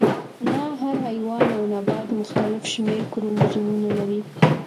نه هر حیوان او نبات مختلف شمیر کروموزومونه لري